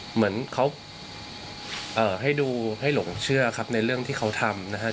เหมือนเขาให้ดูให้หลงเชื่อครับในเรื่องที่เขาทำนะครับ